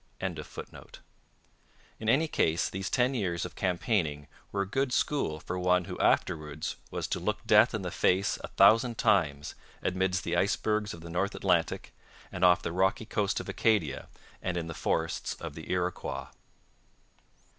] In any case, these ten years of campaigning were a good school for one who afterwards was to look death in the face a thousand times amidst the icebergs of the North Atlantic, and off the rocky coast of Acadia, and in the forests of the Iroquois.